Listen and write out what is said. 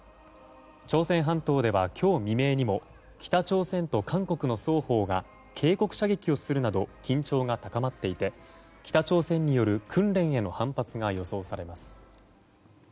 朝鮮半島では、今日未明にも北朝鮮と韓国の双方が警告射撃をするなど緊張が高まっていて北朝鮮による訓練への反発が予想されます。